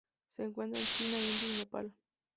Se encuentra en China, India y Nepal.